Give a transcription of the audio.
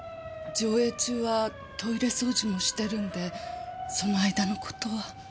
上映中はトイレ掃除もしてるんでその間の事は。